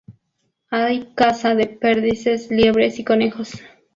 Hay caza de perdices, liebres y conejos.